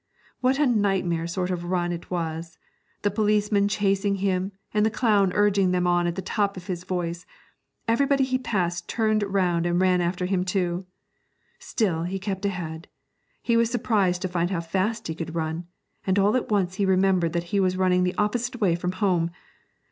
What a nightmare sort of run it was! the policemen chasing him, and the clown urging them on at the top of his voice. Everybody he passed turned round and ran after him too. Still he kept ahead. He was surprised to find how fast he could run, and all at once he remembered that he was running the opposite way from home.